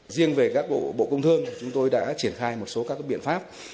riêng về các bộ công thương thì chúng tôi đã triển khai một số các biện pháp